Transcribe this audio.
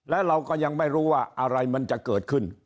และเราก็ยังไม่รู้ว่าอะไรมันจะเกิดขึ้น